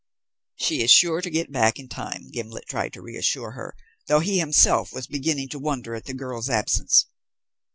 "She is sure to get back in time," Gimblet tried to reassure her, though he himself was beginning to wonder at the girl's absence.